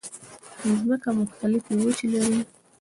مځکه مختلفې وچې لري.